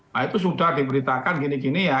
nah itu sudah diberitakan gini gini ya